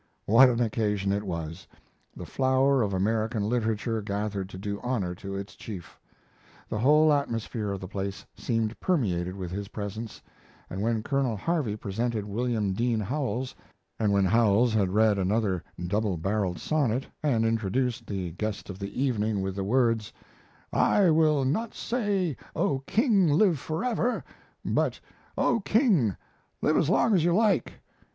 What an occasion it was! The flower of American literature gathered to do honor to its chief. The whole atmosphere of the place seemed permeated with his presence, and when Colonel Harvey presented William Dean Howells, and when Howells had read another double barreled sonnet, and introduced the guest of the evening with the words, "I will not say, 'O King, live forever,' but, 'O King, live as long as you like!'"